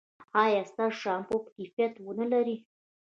ایا ستاسو شامپو به کیفیت و نه لري؟